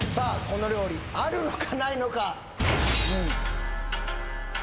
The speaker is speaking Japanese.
この料理あるのかないのか？